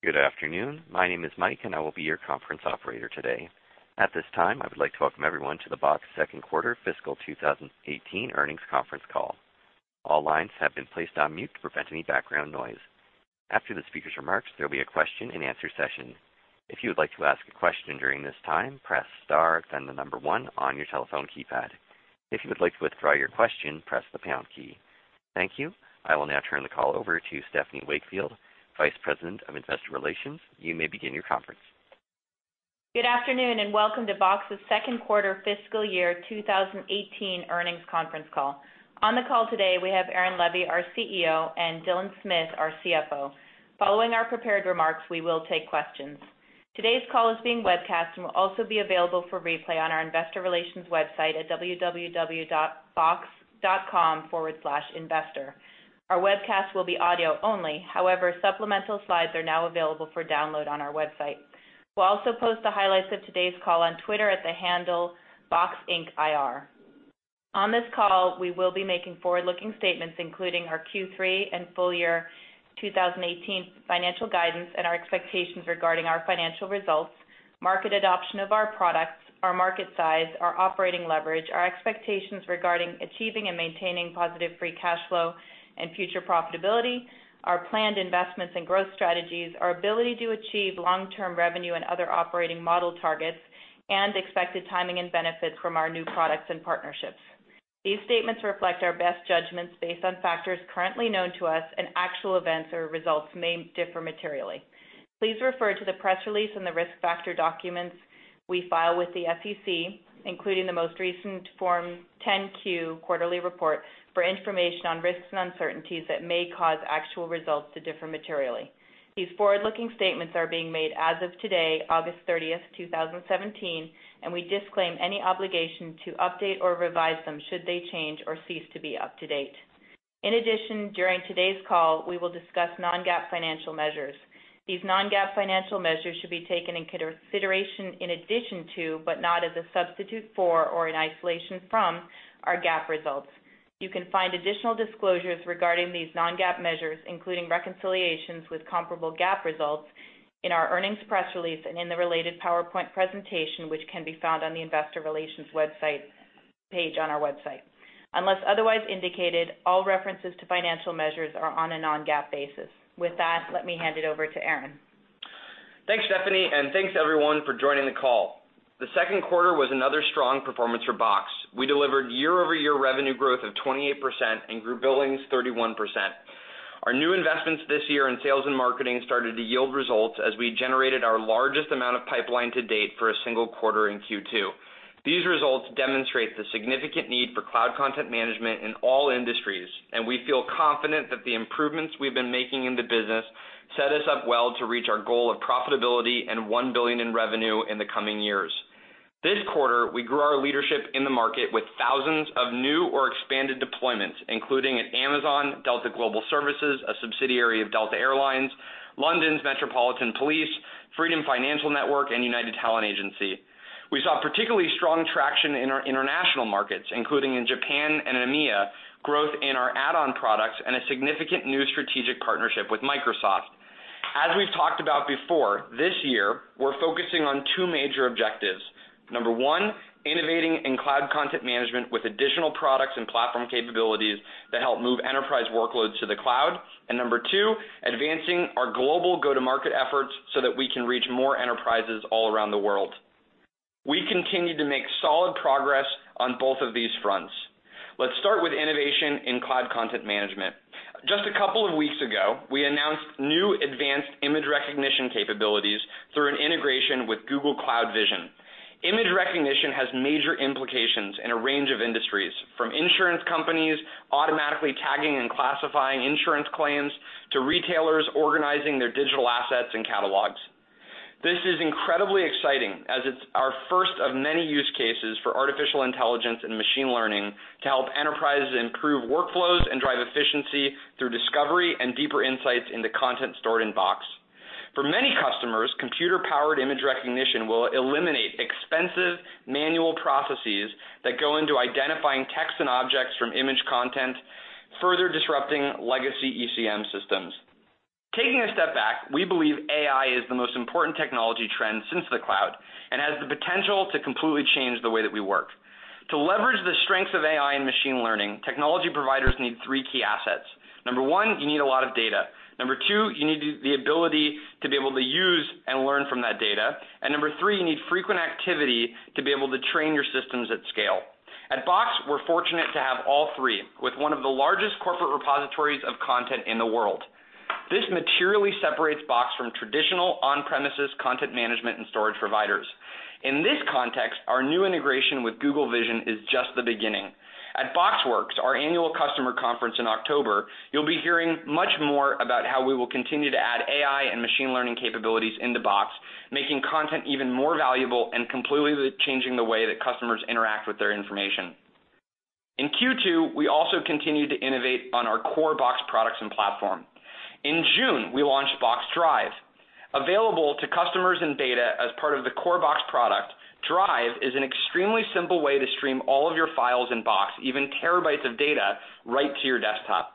Good afternoon. My name is Mike, and I will be your conference operator today. At this time, I would like to welcome everyone to the Box second quarter fiscal 2018 earnings conference call. All lines have been placed on mute to prevent any background noise. After the speaker's remarks, there will be a question-and-answer session. If you would like to ask a question during this time, press star, then the number 1 on your telephone keypad. If you would like to withdraw your question, press the pound key. Thank you. I will now turn the call over to Stephanie Wakefield, Vice President of Investor Relations. You may begin your conference. Good afternoon. Welcome to Box's second quarter fiscal year 2018 earnings conference call. On the call today, we have Aaron Levie, our CEO, and Dylan Smith, our CFO. Following our prepared remarks, we will take questions. Today's call is being webcast and will also be available for replay on our investor relations website at www.box.com/investor. Our webcast will be audio only. Supplemental slides are now available for download on our website. We will also post the highlights of today's call on Twitter at the handle BoxIncIR. On this call, we will be making forward-looking statements, including our Q3 and full year 2018 financial guidance and our expectations regarding our financial results, market adoption of our products, our market size, our operating leverage, our expectations regarding achieving and maintaining positive free cash flow and future profitability, our planned investments and growth strategies, our ability to achieve long-term revenue and other operating model targets, and expected timing and benefits from our new products and partnerships. These statements reflect our best judgments based on factors currently known to us, and actual events or results may differ materially. Please refer to the press release and the risk factor documents we file with the SEC, including the most recent Form 10-Q quarterly report, for information on risks and uncertainties that may cause actual results to differ materially. These forward-looking statements are being made as of today, August 30, 2017. We disclaim any obligation to update or revise them should they change or cease to be up to date. During today's call, we will discuss non-GAAP financial measures. These non-GAAP financial measures should be taken in consideration in addition to, but not as a substitute for or in isolation from, our GAAP results. You can find additional disclosures regarding these non-GAAP measures, including reconciliations with comparable GAAP results, in our earnings press release and in the related PowerPoint presentation, which can be found on the investor relations website page on our website. Unless otherwise indicated, all references to financial measures are on a non-GAAP basis. With that, let me hand it over to Aaron. Thanks, Stephanie, and thanks everyone for joining the call. The second quarter was another strong performance for Box. We delivered year-over-year revenue growth of 28% and grew billings 31%. Our new investments this year in sales and marketing started to yield results as we generated our largest amount of pipeline to date for a single quarter in Q2. These results demonstrate the significant need for cloud content management in all industries, and we feel confident that the improvements we've been making in the business set us up well to reach our goal of profitability and $1 billion in revenue in the coming years. This quarter, we grew our leadership in the market with thousands of new or expanded deployments, including at Amazon, Delta Global Services, a subsidiary of Delta Air Lines, London's Metropolitan Police Service, Freedom Financial Network, and United Talent Agency. We saw particularly strong traction in our international markets, including in Japan and EMEA, growth in our add-on products, and a significant new strategic partnership with Microsoft. As we've talked about before, this year, we're focusing on two major objectives. Number one, innovating in cloud content management with additional products and platform capabilities that help move enterprise workloads to the cloud. Number two, advancing our global go-to-market efforts so that we can reach more enterprises all around the world. We continue to make solid progress on both of these fronts. Let's start with innovation in cloud content management. Just a couple of weeks ago, we announced new advanced image recognition capabilities through an integration with Google Cloud Vision. Image recognition has major implications in a range of industries, from insurance companies automatically tagging and classifying insurance claims to retailers organizing their digital assets and catalogs. This is incredibly exciting, as it's our first of many use cases for artificial intelligence and machine learning to help enterprises improve workflows and drive efficiency through discovery and deeper insights into content stored in Box. For many customers, computer-powered image recognition will eliminate expensive manual processes that go into identifying text and objects from image content, further disrupting legacy ECM systems. Taking a step back, we believe AI is the most important technology trend since the cloud and has the potential to completely change the way that we work. To leverage the strength of AI and machine learning, technology providers need three key assets. Number one, you need a lot of data. Number two, you need the ability to be able to use and learn from that data. Number three, you need frequent activity to be able to train your systems at scale. At Box, we're fortunate to have all three, with one of the largest corporate repositories of content in the world. This materially separates Box from traditional on-premises content management and storage providers. In this context, our new integration with Google Cloud Vision is just the beginning. At BoxWorks, our annual customer conference in October, you'll be hearing much more about how we will continue to add AI and machine learning capabilities into Box, making content even more valuable and completely changing the way that customers interact with their information. In Q2, we also continued to innovate on our core Box products and platform. In June, we launched Box Drive. Available to customers in beta as part of the core Box product, Drive is an extremely simple way to stream all of your files in Box, even terabytes of data, right to your desktop.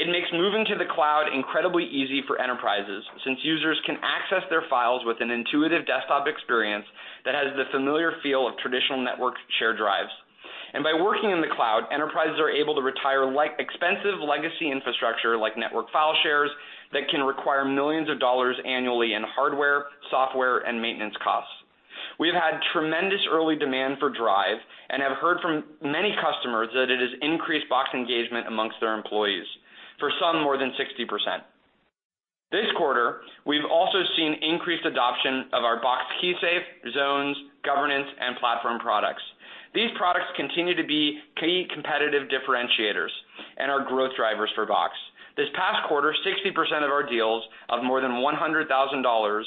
It makes moving to the cloud incredibly easy for enterprises, since users can access their files with an intuitive desktop experience that has the familiar feel of traditional network shared drives. By working in the cloud, enterprises are able to retire expensive legacy infrastructure like network file shares that can require millions of dollars annually in hardware, software, and maintenance costs. We have had tremendous early demand for Drive and have heard from many customers that it has increased Box engagement amongst their employees, for some, more than 60%. This quarter, we've also seen increased adoption of our Box KeySafe, Box Zones, Box Governance, and Box Platform products. These products continue to be key competitive differentiators and are growth drivers for Box. This past quarter, 60% of our deals of more than $100,000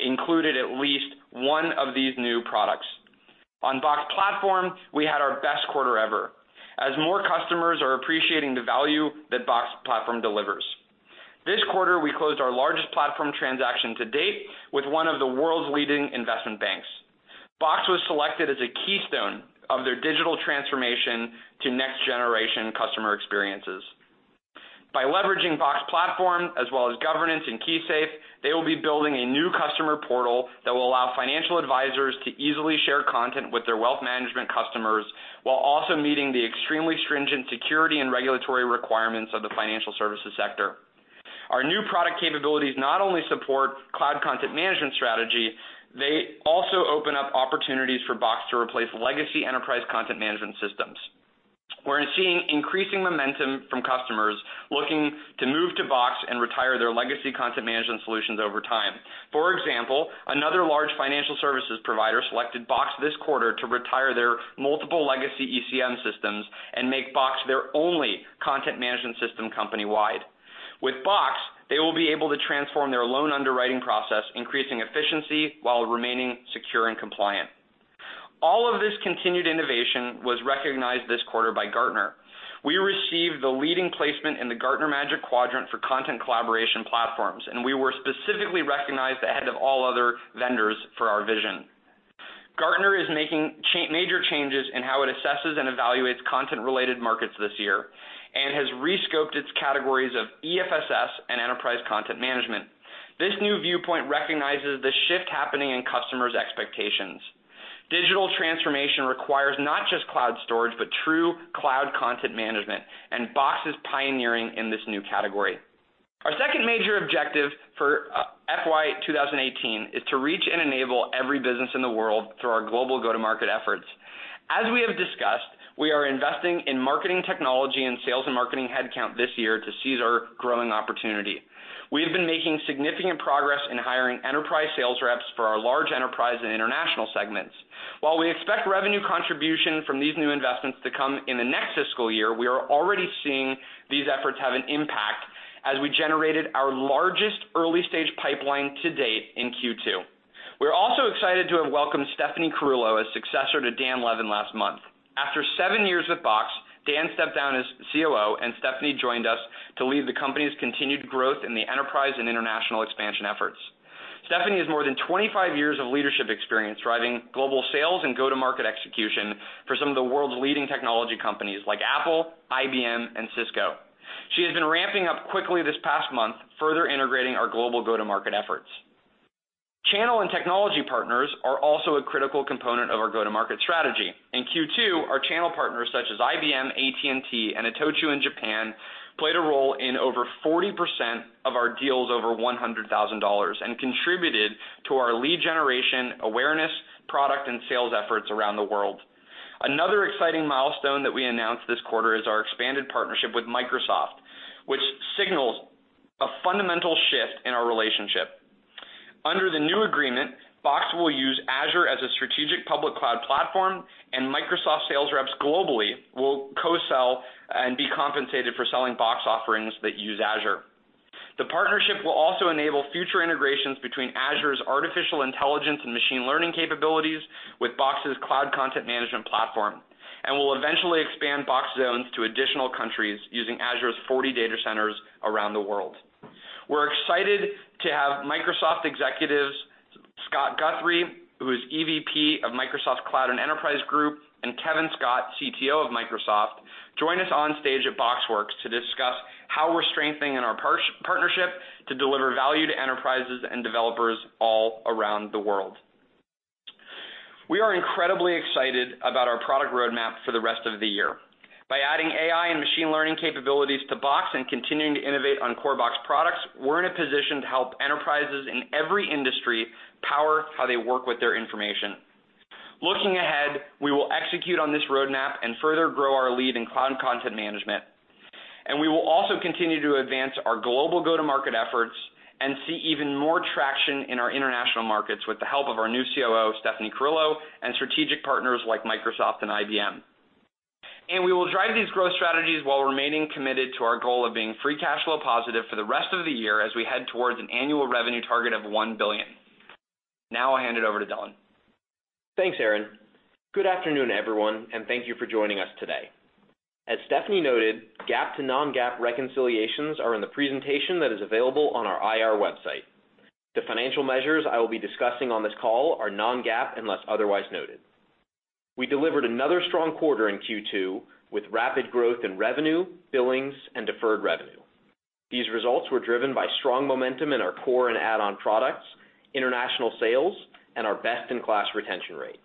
included at least one of these new products. On Box Platform, we had our best quarter ever, as more customers are appreciating the value that Box Platform delivers. This quarter, we closed our largest Platform transaction to date with one of the world's leading investment banks. Box was selected as a keystone of their digital transformation to next-generation customer experiences. By leveraging Box Platform as well as Box Governance and Box KeySafe, they will be building a new customer portal that will allow financial advisors to easily share content with their wealth management customers, while also meeting the extremely stringent security and regulatory requirements of the financial services sector. Our new product capabilities not only support cloud content management strategy, they also open up opportunities for Box to replace legacy enterprise content management systems. We're seeing increasing momentum from customers looking to move to Box and retire their legacy content management solutions over time. For example, another large financial services provider selected Box this quarter to retire their multiple legacy ECM systems and make Box their only content management system company-wide. With Box, they will be able to transform their loan underwriting process, increasing efficiency while remaining secure and compliant. All of this continued innovation was recognized this quarter by Gartner. We received the leading placement in the Gartner Magic Quadrant for content collaboration platforms, and we were specifically recognized ahead of all other vendors for our vision. Gartner is making major changes in how it assesses and evaluates content-related markets this year and has re-scoped its categories of EFSS and enterprise content management. This new viewpoint recognizes the shift happening in customers' expectations. Digital transformation requires not just cloud storage, but true cloud content management, and Box is pioneering in this new category. Our second major objective for FY 2018 is to reach and enable every business in the world through our global go-to-market efforts. As we have discussed, we are investing in marketing technology and sales and marketing headcount this year to seize our growing opportunity. We have been making significant progress in hiring enterprise sales reps for our large enterprise and international segments. While we expect revenue contribution from these new investments to come in the next fiscal year, we are already seeing these efforts have an impact as we generated our largest early-stage pipeline to date in Q2. We're also excited to have welcomed Stephanie Carullo as successor to Dan Levin last month. After seven years with Box, Dan stepped down as COO, and Stephanie joined us to lead the company's continued growth in the enterprise and international expansion efforts. Stephanie has more than 25 years of leadership experience driving global sales and go-to-market execution for some of the world's leading technology companies like Apple, IBM, and Cisco. She has been ramping up quickly this past month, further integrating our global go-to-market efforts. Channel and technology partners are also a critical component of our go-to-market strategy. In Q2, our channel partners such as IBM, AT&T, and Itochu in Japan, played a role in over 40% of our deals over $100,000 and contributed to our lead generation, awareness, product, and sales efforts around the world. Another exciting milestone that we announced this quarter is our expanded partnership with Microsoft, which signals a fundamental shift in our relationship. Under the new agreement, Box will use Azure as a strategic public cloud platform, and Microsoft sales reps globally will co-sell and be compensated for selling Box offerings that use Azure. The partnership will also enable future integrations between Azure's artificial intelligence and machine learning capabilities with Box's cloud content management platform and will eventually expand Box Zones to additional countries using Azure's 40 data centers around the world. We're excited to have Microsoft executives, Scott Guthrie, who is EVP of Microsoft Cloud and Enterprise Group, and Kevin Scott, CTO of Microsoft, join us on stage at BoxWorks to discuss how we're strengthening our partnership to deliver value to enterprises and developers all around the world. We are incredibly excited about our product roadmap for the rest of the year. By adding AI and machine learning capabilities to Box and continuing to innovate on core Box products, we're in a position to help enterprises in every industry power how they work with their information. Looking ahead, we will execute on this roadmap and further grow our lead in cloud content management. We will also continue to advance our global go-to-market efforts and see even more traction in our international markets with the help of our new COO, Stephanie Carullo, and strategic partners like Microsoft and IBM. We will drive these growth strategies while remaining committed to our goal of being free cash flow positive for the rest of the year as we head towards an annual revenue target of $1 billion. I'll hand it over to Dylan. Thanks, Aaron. Good afternoon, everyone, thank you for joining us today. As Stephanie noted, GAAP to non-GAAP reconciliations are in the presentation that is available on our IR website. The financial measures I will be discussing on this call are non-GAAP unless otherwise noted. We delivered another strong quarter in Q2, with rapid growth in revenue, billings, and deferred revenue. These results were driven by strong momentum in our core and add-on products, international sales, and our best-in-class retention rate.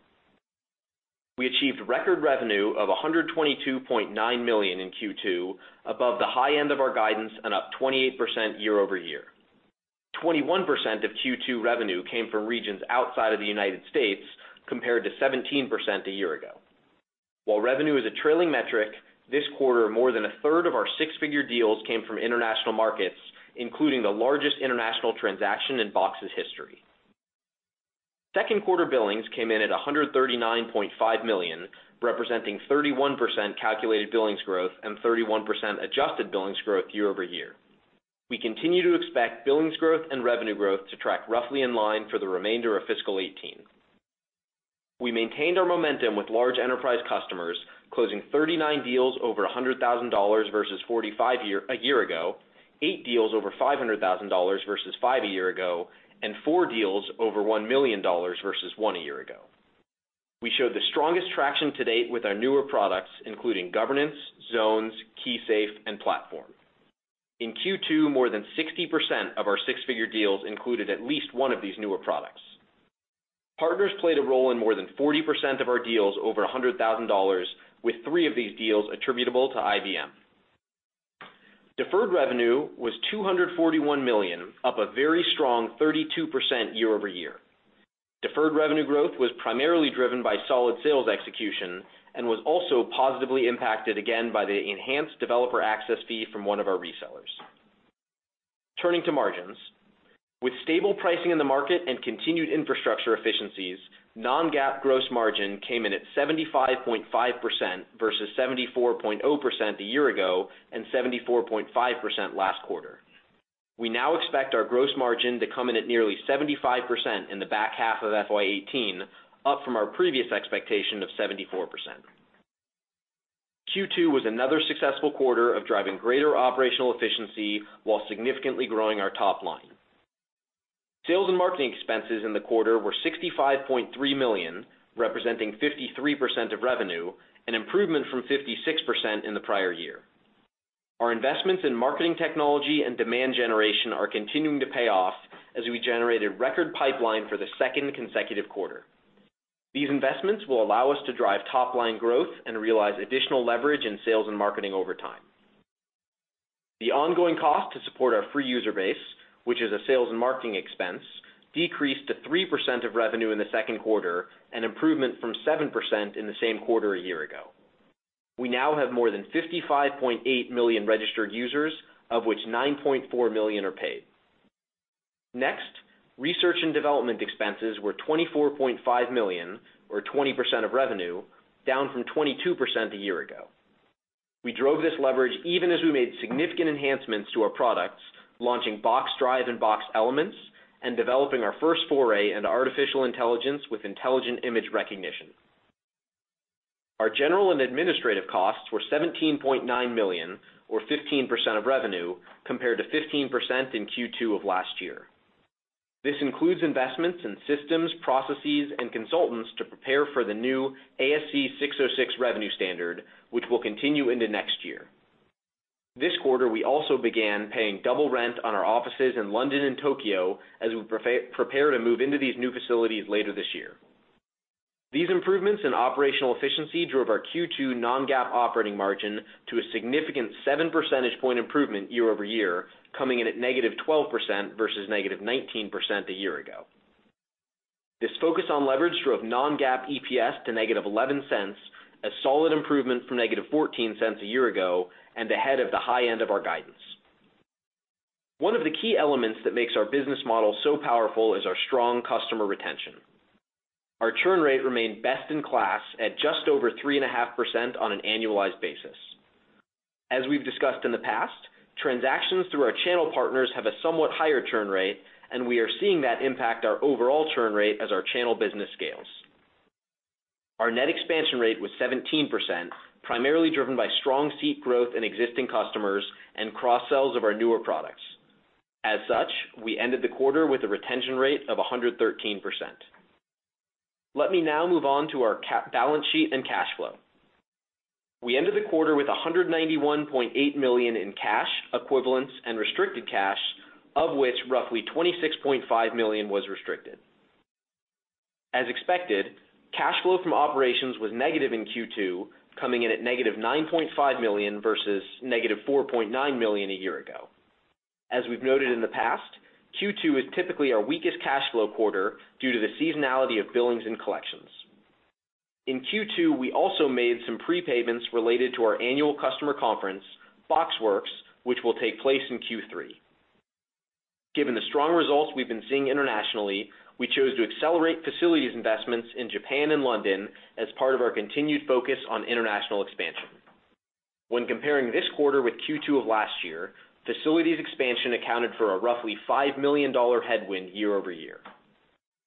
We achieved record revenue of $122.9 million in Q2, above the high end of our guidance and up 28% year-over-year. 21% of Q2 revenue came from regions outside of the U.S., compared to 17% a year ago. While revenue is a trailing metric, this quarter, more than a third of our six-figure deals came from international markets, including the largest international transaction in Box's history. Second quarter billings came in at $139.5 million, representing 31% calculated billings growth and 31% adjusted billings growth year-over-year. We continue to expect billings growth and revenue growth to track roughly in line for the remainder of fiscal 2018. We maintained our momentum with large enterprise customers, closing 39 deals over $100,000 versus 45 a year ago, eight deals over $500,000 versus five a year ago, and four deals over $1 million versus one a year ago. We showed the strongest traction to date with our newer products, including Governance, Zones, KeySafe, and Platform. In Q2, more than 60% of our six-figure deals included at least one of these newer products. Partners played a role in more than 40% of our deals over $100,000, with three of these deals attributable to IBM. Deferred revenue was $241 million, up a very strong 32% year-over-year. Deferred revenue growth was primarily driven by solid sales execution and was also positively impacted again by the enhanced developer access fee from one of our resellers. Turning to margins. With stable pricing in the market and continued infrastructure efficiencies, non-GAAP gross margin came in at 75.5% versus 74.0% a year ago and 74.5% last quarter. We now expect our gross margin to come in at nearly 75% in the back half of FY 2018, up from our previous expectation of 74%. Q2 was another successful quarter of driving greater operational efficiency while significantly growing our top line. Sales and marketing expenses in the quarter were $65.3 million, representing 53% of revenue, an improvement from 56% in the prior year. Our investments in marketing technology and demand generation are continuing to pay off as we generated record pipeline for the second consecutive quarter. These investments will allow us to drive top-line growth and realize additional leverage in sales and marketing over time. The ongoing cost to support our free user base, which is a sales and marketing expense, decreased to 3% of revenue in the second quarter, an improvement from 7% in the same quarter a year ago. We now have more than 55.8 million registered users, of which 9.4 million are paid. Next, research and development expenses were $24.5 million or 20% of revenue, down from 22% a year ago. We drove this leverage even as we made significant enhancements to our products, launching Box Drive and Box Elements, and developing our first foray into artificial intelligence with Box Image Recognition. Our general and administrative costs were $17.9 million or 15% of revenue, compared to 15% in Q2 of last year. This includes investments in systems, processes, and consultants to prepare for the new ASC 606 revenue standard, which will continue into next year. This quarter, we also began paying double rent on our offices in London and Tokyo as we prepare to move into these new facilities later this year. These improvements in operational efficiency drove our Q2 non-GAAP operating margin to a significant seven percentage point improvement year-over-year, coming in at negative 12% versus negative 19% a year ago. This focus on leverage drove non-GAAP EPS to -$0.11, a solid improvement from -$0.14 a year ago and ahead of the high end of our guidance. One of the key elements that makes our business model so powerful is our strong customer retention. Our churn rate remained best in class at just over 3.5% on an annualized basis. As we've discussed in the past, transactions through our channel partners have a somewhat higher churn rate, and we are seeing that impact our overall churn rate as our channel business scales. Our net expansion rate was 17%, primarily driven by strong seat growth in existing customers and cross-sells of our newer products. As such, we ended the quarter with a retention rate of 113%. Let me now move on to our balance sheet and cash flow. We ended the quarter with $191.8 million in cash, equivalents, and restricted cash, of which roughly $26.5 million was restricted. As expected, cash flow from operations was negative in Q2, coming in at negative $9.5 million versus negative $4.9 million a year ago. As we've noted in the past, Q2 is typically our weakest cash flow quarter due to the seasonality of billings and collections. In Q2, we also made some prepayments related to our annual customer conference, BoxWorks, which will take place in Q3. Given the strong results we've been seeing internationally, we chose to accelerate facilities investments in Japan and London as part of our continued focus on international expansion. When comparing this quarter with Q2 of last year, facilities expansion accounted for a roughly $5 million headwind year-over-year.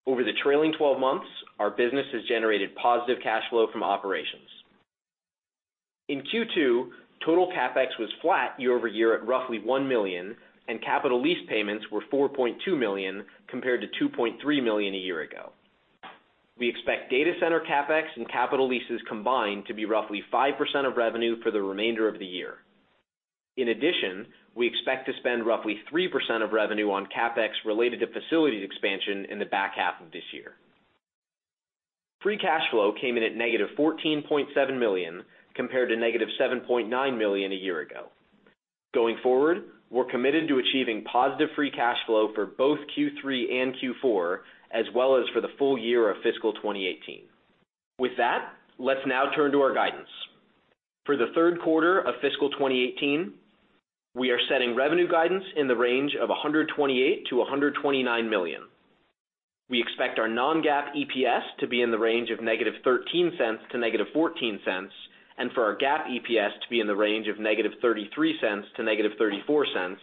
Over the trailing 12 months, our business has generated positive cash flow from operations. In Q2, total CapEx was flat year-over-year at roughly $1 million, and capital lease payments were $4.2 million, compared to $2.3 million a year ago. We expect data center CapEx and capital leases combined to be roughly 5% of revenue for the remainder of the year. In addition, we expect to spend roughly 3% of revenue on CapEx related to facilities expansion in the back half of this year. Free cash flow came in at negative $14.7 million, compared to negative $7.9 million a year ago. Going forward, we're committed to achieving positive free cash flow for both Q3 and Q4, as well as for the full year of fiscal 2018. With that, let's now turn to our guidance. For the third quarter of fiscal 2018, we are setting revenue guidance in the range of $128 million-$129 million. We expect our non-GAAP EPS to be in the range of negative $0.13 to negative $0.14, and for our GAAP EPS to be in the range of negative $0.33 to negative $0.34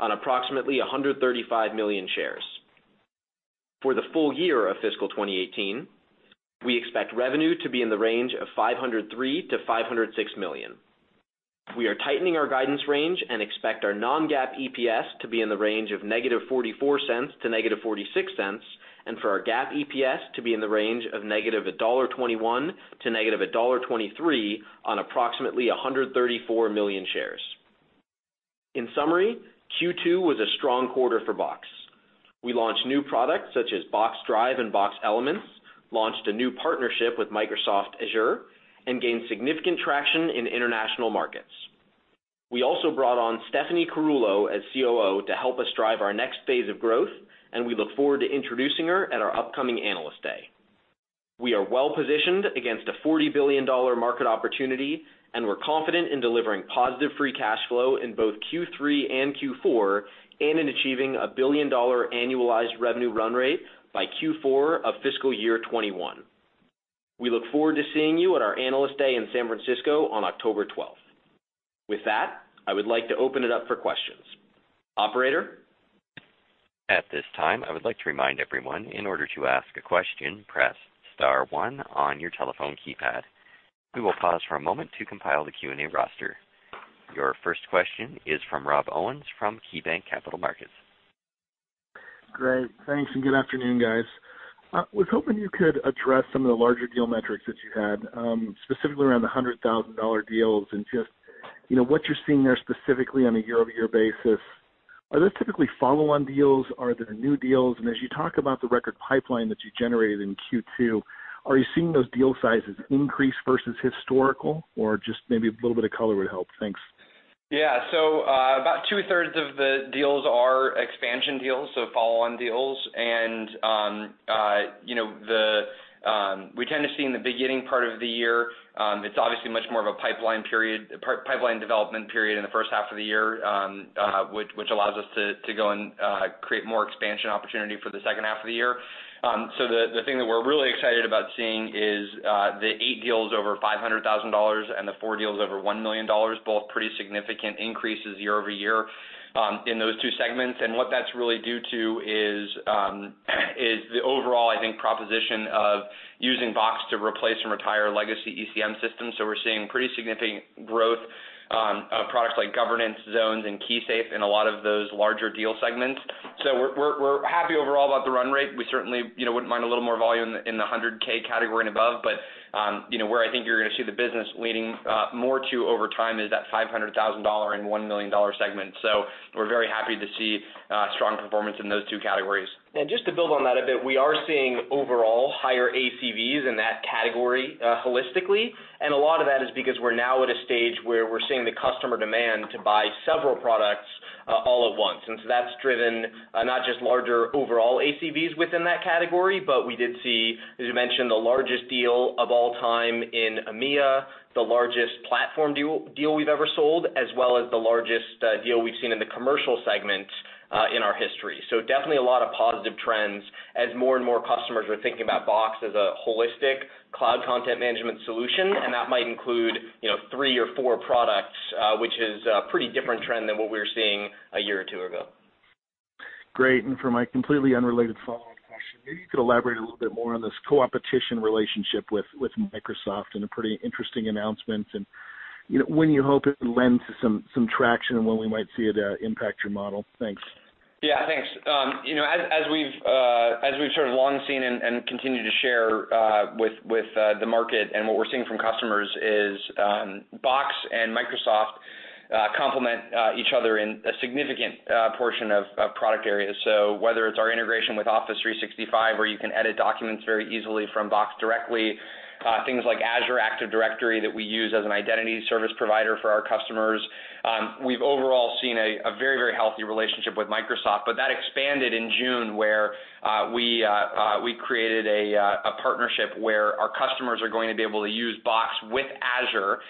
on approximately 135 million shares. For the full year of fiscal 2018, we expect revenue to be in the range of $503 million-$506 million. We are tightening our guidance range and expect our non-GAAP EPS to be in the range of negative $0.44 to negative $0.46, and for our GAAP EPS to be in the range of negative $1.21 to negative $1.23 on approximately 134 million shares. In summary, Q2 was a strong quarter for Box. We launched new products such as Box Drive and Box Elements, launched a new partnership with Microsoft Azure, and gained significant traction in international markets. We also brought on Stephanie Carullo as COO to help us drive our next phase of growth, and we look forward to introducing her at our upcoming Analyst Day. We are well-positioned against a $40 billion market opportunity. We're confident in delivering positive free cash flow in both Q3 and Q4, and in achieving a billion-dollar annualized revenue run rate by Q4 of fiscal year 2021. We look forward to seeing you at our Analyst Day in San Francisco on October 12th. With that, I would like to open it up for questions. Operator? At this time, I would like to remind everyone, in order to ask a question, press *1 on your telephone keypad. We will pause for a moment to compile the Q&A roster. Your first question is from Rob Owens from KeyBanc Capital Markets. Great. Thanks, good afternoon, guys. I was hoping you could address some of the larger deal metrics that you had, specifically around the $100,000 deals and just what you're seeing there specifically on a year-over-year basis. Are those typically follow-on deals? Are they the new deals? As you talk about the record pipeline that you generated in Q2, are you seeing those deal sizes increase versus historical, or just maybe a little bit of color would help? Thanks. Yeah. About two-thirds of the deals are expansion deals, so follow-on deals. We tend to see in the beginning part of the year, it's obviously much more of a pipeline development period in the first half of the year, which allows us to go and create more expansion opportunity for the second half of the year. The thing that we're really excited about seeing is the eight deals over $500,000 and the four deals over $1 million, both pretty significant increases year-over-year, in those two segments. What that's really due to is the overall, I think, proposition of using Box to replace and retire legacy ECM systems. We're seeing pretty significant growth of products like Governance, Zones, and KeySafe in a lot of those larger deal segments. We're happy overall about the run rate. We certainly wouldn't mind a little more volume in the $100,000 category and above, where I think you're going to see the business leaning more to over time is that $500,000 and $1 million segment. We're very happy to see strong performance in those two categories. Just to build on that a bit, we are seeing overall higher ACVs in that category holistically. A lot of that is because we're now at a stage where we're seeing the customer demand to buy several products all at once. That's driven, not just larger overall ACVs within that category, but we did see, as you mentioned, the largest deal of all time in EMEA, the largest Platform deal we've ever sold, as well as the largest deal we've seen in the commercial segment in our history. Definitely a lot of positive trends as more and more customers are thinking about Box as a holistic cloud content management solution, and that might include three or four products, which is a pretty different trend than what we were seeing a year or two ago. Great. For my completely unrelated follow-up question, maybe you could elaborate a little bit more on this co-opetition relationship with Microsoft and a pretty interesting announcement, and when you hope it lends some traction and when we might see it impact your model. Thanks. Yeah. Thanks. As we've sort of long seen and continue to share with the market and what we're seeing from customers is, Box and Microsoft complement each other in a significant portion of product areas. Whether it's our integration with Office 365, where you can edit documents very easily from Box directly, things like Azure Active Directory that we use as an identity service provider for our customers. We've overall seen a very healthy relationship with Microsoft, but that expanded in June where we created a partnership where our customers are going to be able to use Box with Azure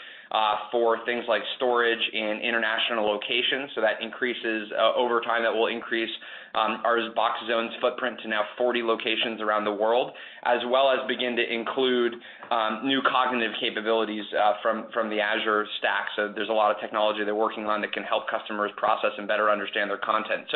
For things like storage in international locations. That over time, that will increase our Box Zones footprint to now 40 locations around the world, as well as begin to include new cognitive capabilities from the Azure stack. There's a lot of technology they're working on that can help customers process and better understand their content.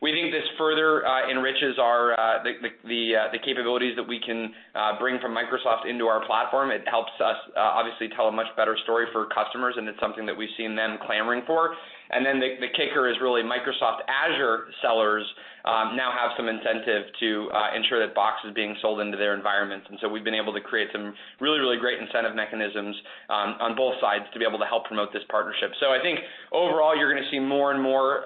We think this further enriches the capabilities that we can bring from Microsoft into our platform. It helps us obviously tell a much better story for customers, and it's something that we've seen them clamoring for. The kicker is really Microsoft Azure sellers now have some incentive to ensure that Box is being sold into their environments. We've been able to create some really, really great incentive mechanisms on both sides to be able to help promote this partnership. I think overall, you're going to see more and more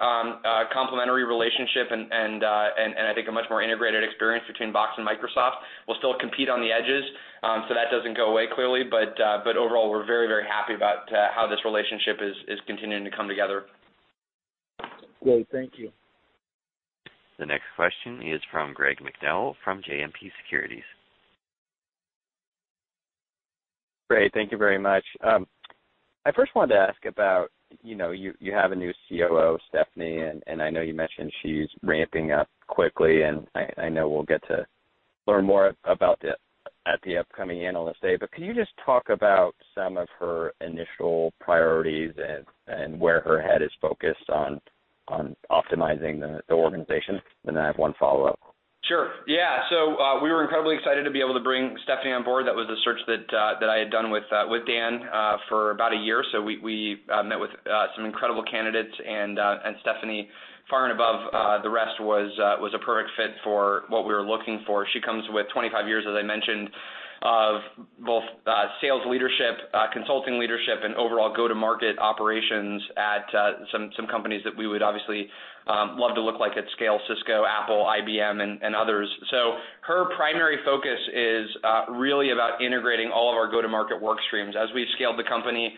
complimentary relationship and I think a much more integrated experience between Box and Microsoft. We'll still compete on the edges, so that doesn't go away clearly, but overall, we're very, very happy about how this relationship is continuing to come together. Great. Thank you. The next question is from Gregory McDowell from JMP Securities. Great. Thank you very much. I first wanted to ask about, you have a new COO, Stephanie, I know you mentioned she's ramping up quickly, I know we'll get to learn more about it at the upcoming Analyst Day. Can you just talk about some of her initial priorities and where her head is focused on optimizing the organization? I have one follow-up. Sure, yeah. We were incredibly excited to be able to bring Stephanie on board. That was a search that I had done with Dan for about a year. We met with some incredible candidates, Stephanie, far and above the rest, was a perfect fit for what we were looking for. She comes with 25 years, as I mentioned, of both sales leadership, consulting leadership, and overall go-to-market operations at some companies that we would obviously love to look like at scale, Cisco, Apple, IBM, and others. Her primary focus is really about integrating all of our go-to-market work streams. As we've scaled the company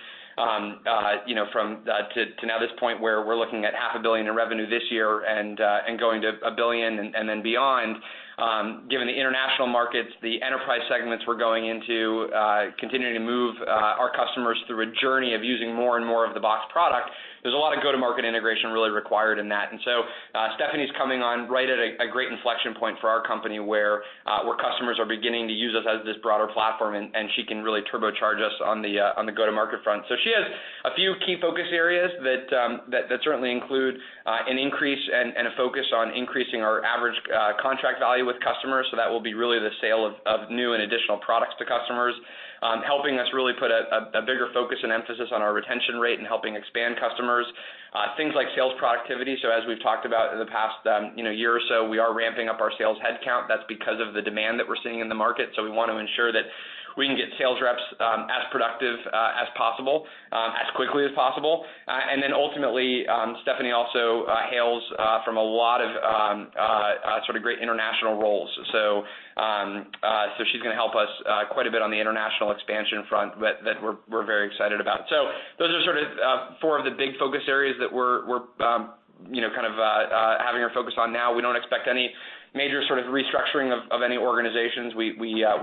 to now this point where we're looking at half a billion in revenue this year and going to a billion and then beyond, given the international markets, the enterprise segments we're going into, continuing to move our customers through a journey of using more and more of the Box product, there's a lot of go-to-market integration really required in that. Stephanie's coming on right at a great inflection point for our company, where customers are beginning to use us as this broader platform, she can really turbocharge us on the go-to-market front. She has a few key focus areas that certainly include an increase and a focus on increasing our average contract value with customers. That will be really the sale of new and additional products to customers, helping us really put a bigger focus and emphasis on our retention rate and helping expand customers. Things like sales productivity, as we've talked about in the past year or so, we are ramping up our sales headcount. That's because of the demand that we're seeing in the market. We want to ensure that we can get sales reps as productive as possible, as quickly as possible. Ultimately, Stephanie also hails from a lot of great international roles. She's going to help us quite a bit on the international expansion front that we're very excited about. Those are sort of four of the big focus areas that we're having her focus on now. We don't expect any major sort of restructuring of any organizations. We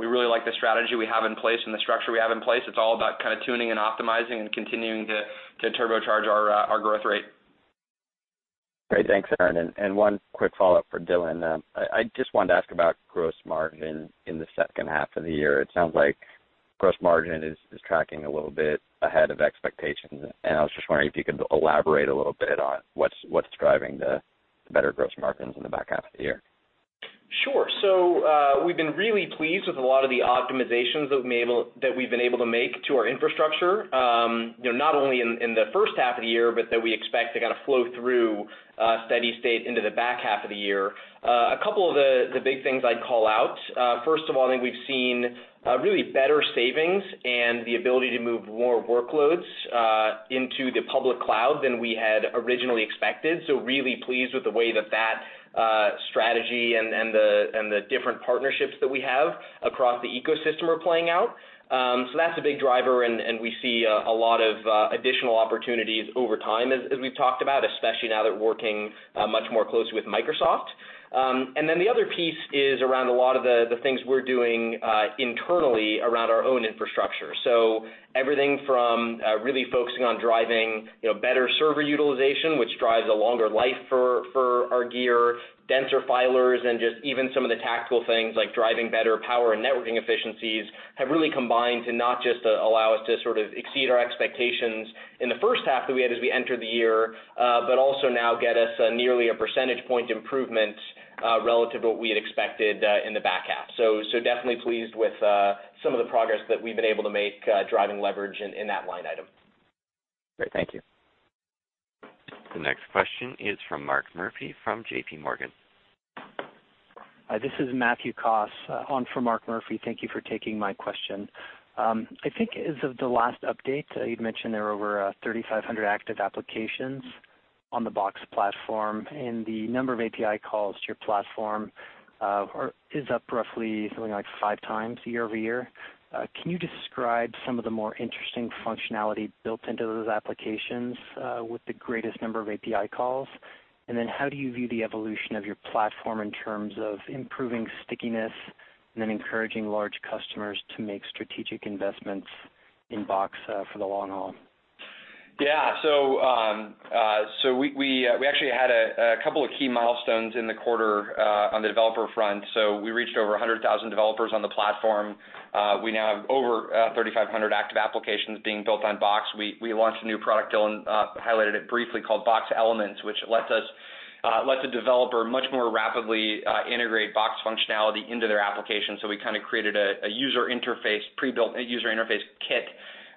really like the strategy we have in place and the structure we have in place. It's all about kind of tuning and optimizing and continuing to turbocharge our growth rate. Great. Thanks, Aaron, one quick follow-up for Dylan. I just wanted to ask about gross margin in the second half of the year. It sounds like gross margin is tracking a little bit ahead of expectations. I was just wondering if you could elaborate a little bit on what's driving the better gross margins in the back half of the year. Sure. We've been really pleased with a lot of the optimizations that we've been able to make to our infrastructure, not only in the first half of the year, but that we expect to kind of flow through a steady state into the back half of the year. A couple of the big things I'd call out, first of all, I think we've seen really better savings and the ability to move more workloads into the public cloud than we had originally expected. Really pleased with the way that that strategy and the different partnerships that we have across the ecosystem are playing out. That's a big driver, and we see a lot of additional opportunities over time as we've talked about, especially now that we're working much more closely with Microsoft. The other piece is around a lot of the things we're doing internally around our own infrastructure. Everything from really focusing on driving better server utilization, which drives a longer life for our gear, denser filers, and just even some of the tactical things like driving better power and networking efficiencies have really combined to not just allow us to sort of exceed our expectations in the first half that we had as we entered the year, but also now get us nearly a percentage point improvement relative to what we had expected in the back half. Definitely pleased with some of the progress that we've been able to make driving leverage in that line item. Great. Thank you. The next question is from Mark Murphy from JPMorgan. Hi, this is Matthew Coss on for Mark Murphy. Thank you for taking my question. I think as of the last update, you'd mentioned there were over 3,500 active applications on the Box Platform, and the number of API calls to your platform is up roughly something like 5 times year-over-year. Can you describe some of the more interesting functionality built into those applications with the greatest number of API calls? How do you view the evolution of your platform in terms of improving stickiness And then encouraging large customers to make strategic investments in Box for the long haul. Yes. We actually had a couple of key milestones in the quarter on the developer front. We reached over 100,000 developers on the platform. We now have over 3,500 active applications being built on Box. We launched a new product, Dylan highlighted it briefly, called Box Elements, which lets a developer much more rapidly integrate Box functionality into their application. We created a pre-built user interface kit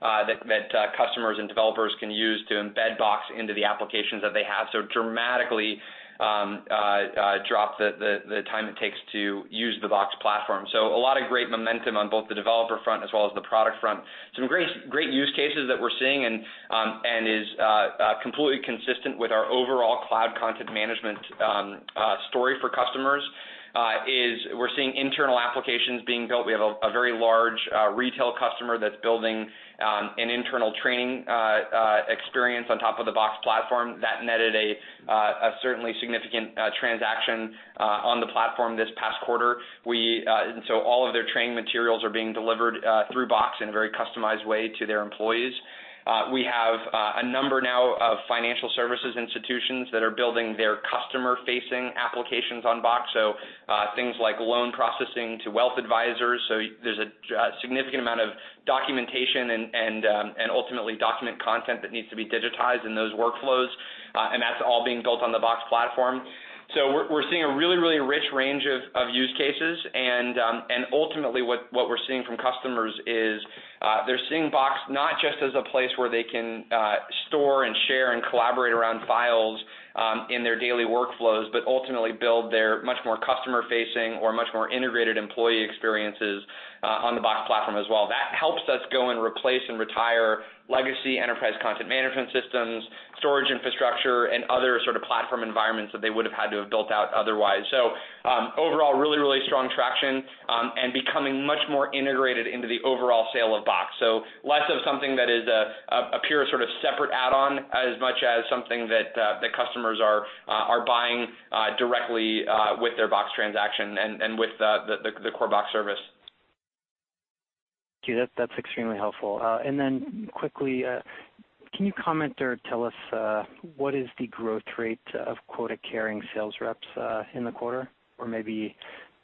that customers and developers can use to embed Box into the applications that they have. Dramatically, dropped the time it takes to use the Box Platform. A lot of great momentum on both the developer front as well as the product front. Some great use cases that we're seeing, and is completely consistent with our overall cloud content management story for customers, is we're seeing internal applications being built. We have a very large retail customer that's building an internal training experience on top of the Box Platform. That netted a certainly significant transaction on the platform this past quarter. All of their training materials are being delivered through Box in a very customized way to their employees. We have a number now of financial services institutions that are building their customer-facing applications on Box. Things like loan processing to wealth advisors. There's a significant amount of documentation and, ultimately, document content that needs to be digitized in those workflows, and that's all being built on the Box Platform. We're seeing a really rich range of use cases and, ultimately, what we're seeing from customers is, they're seeing Box not just as a place where they can store and share and collaborate around files in their daily workflows, but ultimately build their much more customer-facing or much more integrated employee experiences on the Box Platform as well. That helps us go and replace and retire legacy enterprise content management systems, storage infrastructure, and other sort of platform environments that they would've had to have built out otherwise. Overall, really strong traction, and becoming much more integrated into the overall sale of Box. Less of something that is a pure sort of separate add-on as much as something that the customers are buying directly with their Box transaction and with the core Box service. Okay. That's extremely helpful. Quickly, can you comment or tell us what is the growth rate of quota-carrying sales reps in the quarter? Maybe,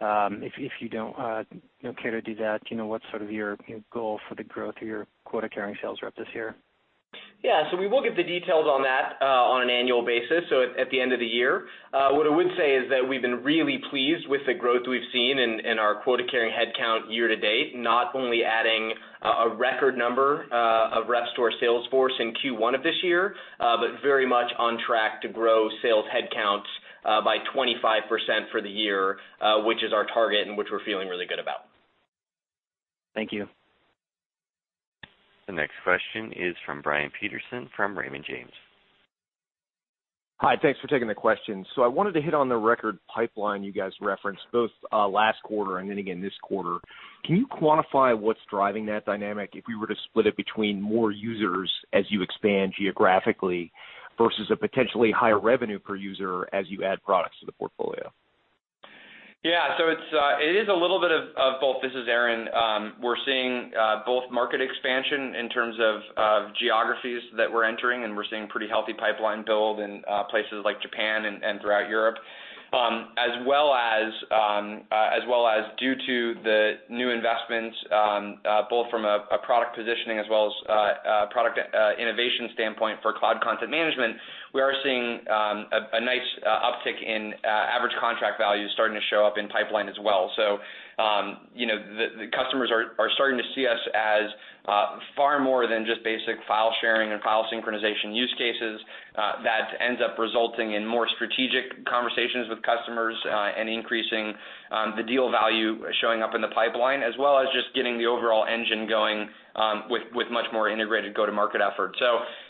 if you don't care to do that, what's sort of your goal for the growth of your quota-carrying sales rep this year? Yeah. We will give the details on that on an annual basis, so at the end of the year. What I would say is that we've been really pleased with the growth we've seen in our quota-carrying headcount year to date, not only adding a record number of reps to our sales force in Q1 of this year, but very much on track to grow sales headcounts by 25% for the year, which is our target and which we're feeling really good about. Thank you. The next question is from Brian Peterson from Raymond James. Hi. Thanks for taking the question. I wanted to hit on the record pipeline you guys referenced, both last quarter and then again this quarter. Can you quantify what's driving that dynamic if we were to split it between more users as you expand geographically versus a potentially higher revenue per user as you add products to the portfolio? Yeah. It is a little bit of both. This is Aaron. We're seeing both market expansion in terms of geographies that we're entering, and we're seeing pretty healthy pipeline build in places like Japan and throughout Europe. As well as due to the new investments, both from a product positioning as well as product innovation standpoint for cloud content management, we are seeing a nice uptick in average contract value starting to show up in pipeline as well. The customers are starting to see us as far more than just basic file sharing and file synchronization use cases. That ends up resulting in more strategic conversations with customers, and increasing the deal value showing up in the pipeline, as well as just getting the overall engine going with much more integrated go-to-market efforts.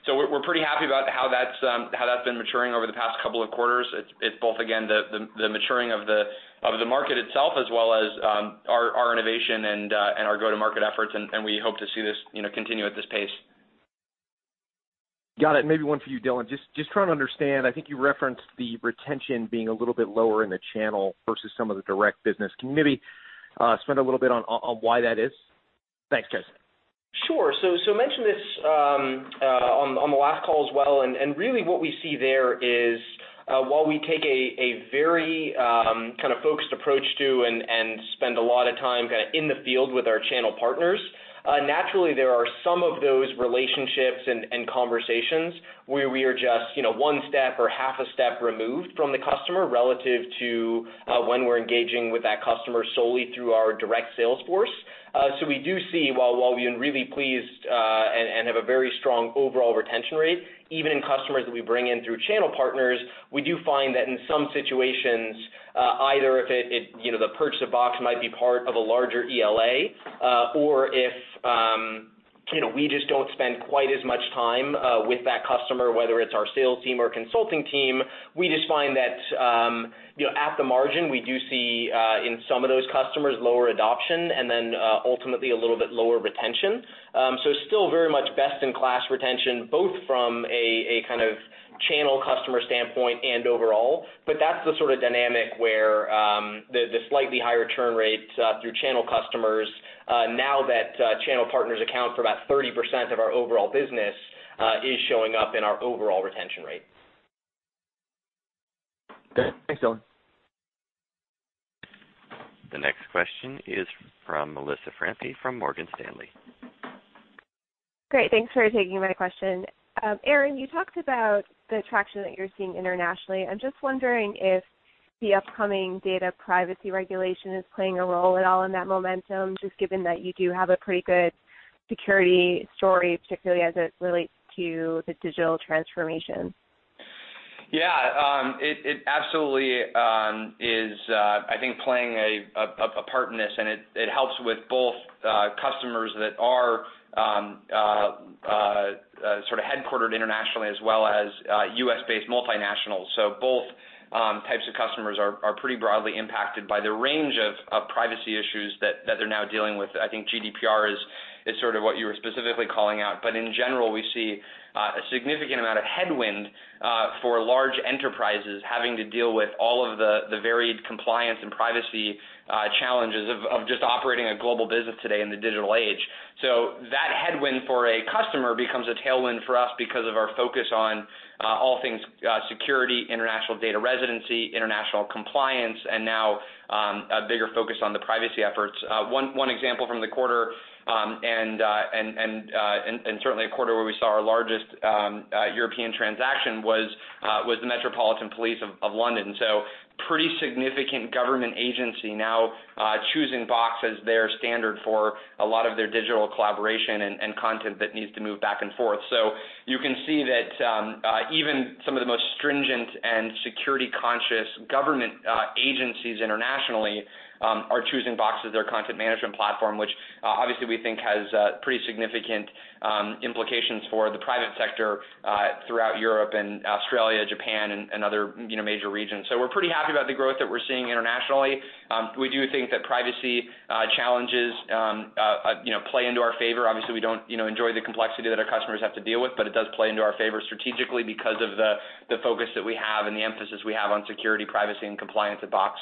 We're pretty happy about how that's been maturing over the past couple of quarters. It's both, again, the maturing of the market itself, as well as our innovation and our go-to-market efforts. We hope to see this continue at this pace. Got it. Maybe one for you, Dylan. Just trying to understand, I think you referenced the retention being a little bit lower in the channel versus some of the direct business. Can you maybe expand a little bit on why that is? Thanks, guys. Sure. I mentioned this on the last call as well. Really what we see there is while we take a very focused approach too and spend a lot of time in the field with our channel partners, naturally there are some of those relationships and conversations where we are just one step or half a step removed from the customer relative to when we're engaging with that customer solely through our direct sales force. We do see, while being really pleased and have a very strong overall retention rate, even in customers that we bring in through channel partners, we do find that in some situations, either the purchase of Box might be part of a larger ELA, or if we just don't spend quite as much time with that customer, whether it's our sales team or consulting team, we just find that at the margin, we do see, in some of those customers, lower adoption and then ultimately a little bit lower retention. It's still very much best-in-class retention, both from a Channel customer standpoint and overall. That's the sort of dynamic where the slightly higher churn rates through channel customers, now that channel partners account for about 30% of our overall business, is showing up in our overall retention rate. Good. Thanks, Dylan. The next question is from Melissa Fosse from Morgan Stanley. Great. Thanks for taking my question. Aaron, you talked about the traction that you're seeing internationally. I'm just wondering if the upcoming data privacy regulation is playing a role at all in that momentum, just given that you do have a pretty good security story, particularly as it relates to the digital transformation. Yeah. It absolutely is, I think, playing a part in this, and it helps with both customers that are sort of headquartered internationally as well as U.S.-based multinationals. Both types of customers are pretty broadly impacted by the range of privacy issues that they're now dealing with. I think GDPR is sort of what you were specifically calling out. In general, we see a significant amount of headwind for large enterprises having to deal with all of the varied compliance and privacy challenges of just operating a global business today in the digital age. That headwind for a customer becomes a tailwind for us because of our focus on all things security, international data residency, international compliance, and now a bigger focus on the privacy efforts. One example from the quarter, and certainly a quarter where we saw our largest European transaction, was the Metropolitan Police of London. Pretty significant government agency now choosing Box as their standard for a lot of their digital collaboration and content that needs to move back and forth. You can see that even some of the most stringent and security-conscious government agencies internationally are choosing Box as their content management platform, which obviously we think has pretty significant implications for the private sector throughout Europe and Australia, Japan, and other major regions. We're pretty happy about the growth that we're seeing internationally. We do think that privacy challenges play into our favor. Obviously, we don't enjoy the complexity that our customers have to deal with, it does play into our favor strategically because of the focus that we have and the emphasis we have on security, privacy, and compliance at Box.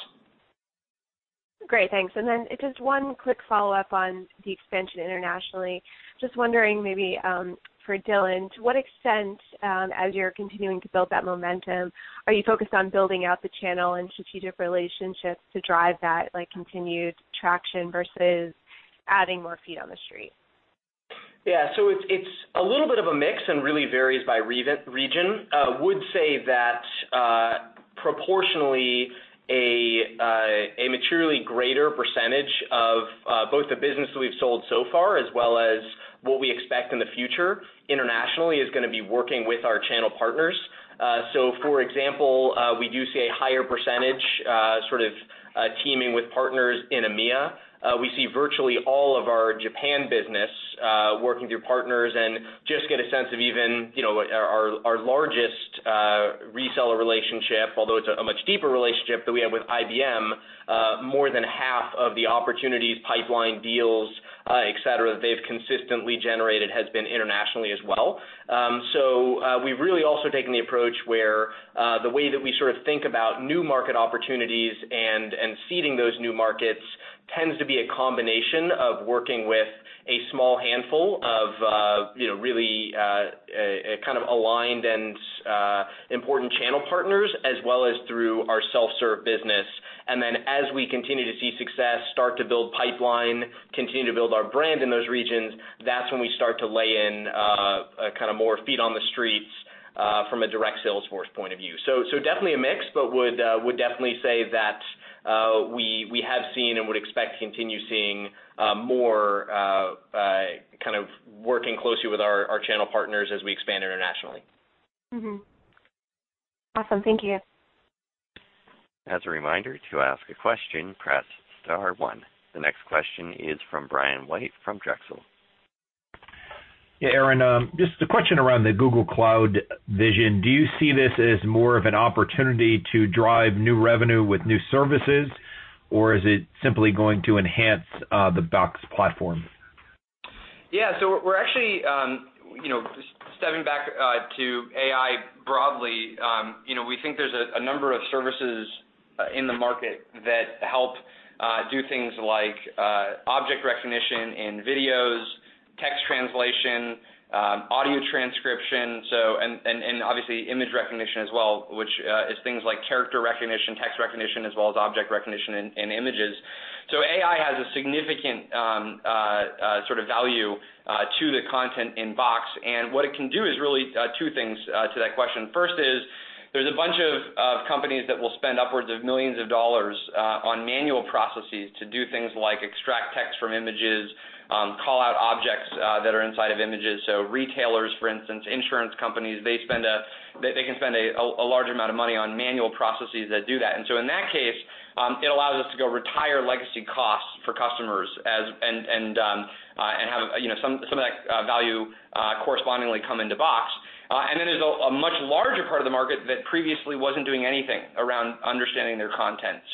Great, thanks. Just one quick follow-up on the expansion internationally. Just wondering maybe for Dylan, to what extent, as you're continuing to build that momentum, are you focused on building out the channel and strategic relationships to drive that continued traction versus adding more feet on the street? Yeah. It's a little bit of a mix and really varies by region. I would say that proportionally, a materially greater percentage of both the business that we've sold so far as well as what we expect in the future internationally is going to be working with our channel partners. For example, we do see a higher percentage sort of teaming with partners in EMEA. We see virtually all of our Japan business working through partners. Just get a sense of even our largest reseller relationship, although it's a much deeper relationship that we have with IBM, more than half of the opportunities, pipeline deals, et cetera, they've consistently generated has been internationally as well. We've really also taken the approach where the way that we sort of think about new market opportunities and seeding those new markets tends to be a combination of working with a small handful of really kind of aligned and important channel partners, as well as through our self-serve business. As we continue to see success, start to build pipeline, continue to build our brand in those regions, that's when we start to lay in more feet on the streets from a direct sales force point of view. Definitely a mix, but would definitely say that we have seen and would expect to continue seeing more working closely with our channel partners as we expand internationally. Awesome. Thank you. As a reminder, to ask a question, press star one. The next question is from Brian White from Drexel. Yeah, Aaron, just a question around the Google Cloud Vision. Do you see this as more of an opportunity to drive new revenue with new services, or is it simply going to enhance the Box Platform? Yeah. We're actually, stepping back to AI broadly, we think there's a number of services in the market that help do things like object recognition in videos, text translation, audio transcription, and obviously image recognition as well, which is things like character recognition, text recognition, as well as object recognition in images. AI has a significant sort of value to the content in Box, and what it can do is really two things to that question. First is there's a bunch of companies that will spend upwards of millions of dollars on manual processes to do things like extract text from images, call out objects that are inside of images. Retailers, for instance, insurance companies, they can spend a large amount of money on manual processes that do that. In that case, it allows us to go retire legacy costs for customers and have some of that value correspondingly come into Box. There's a much larger part of the market that previously wasn't doing anything around understanding their content.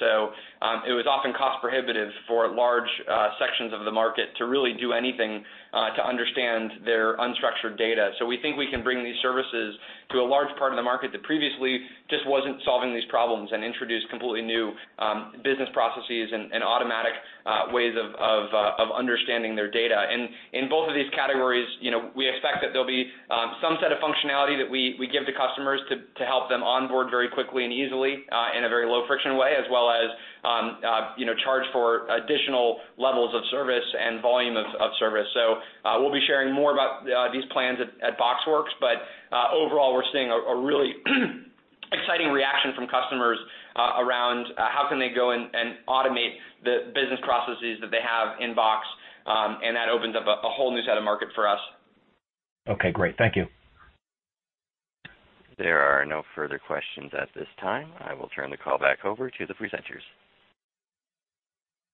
It was often cost prohibitive for large sections of the market to really do anything to understand their unstructured data. We think we can bring these services to a large part of the market that previously just wasn't solving these problems and introduce completely new business processes and automatic ways of understanding their data. In both of these categories, we expect that there'll be some set of functionality that we give to customers to help them onboard very quickly and easily in a very low-friction way, as well as charge for additional levels of service and volume of service. We'll be sharing more about these plans at BoxWorks, but overall, we're seeing a really exciting reaction from customers around how can they go and automate the business processes that they have in Box, and that opens up a whole new set of market for us. Okay, great. Thank you. There are no further questions at this time. I will turn the call back over to the presenters.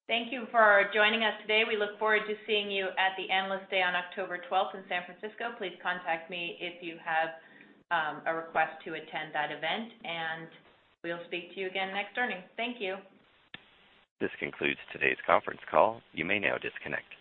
Thank you for joining us today. We look forward to seeing you at the Analyst Day on October 12th in San Francisco. Please contact me if you have a request to attend that event. We'll speak to you again next earnings. Thank you. This concludes today's conference call. You may now disconnect.